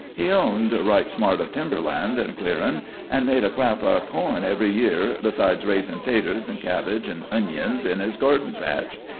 He owned right smart of timber land and clearin', and made a crap o' corn every year, besides raisin' 'taters and cabbage and enions in his garden patch.